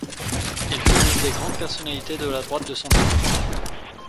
Il fut l'une des grandes personnalités de la droite de son époque.